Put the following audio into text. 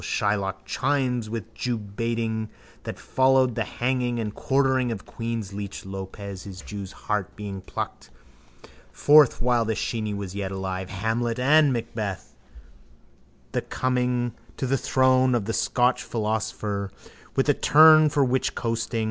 Shylock chimes with the jewbaiting that followed the hanging and quartering of the queen's leech Lopez, his jew's heart being plucked forth while the sheeny was yet alive: Hamlet and Macbeth with the coming to the throne of a Scotch philosophaster with a turn for witchroasting.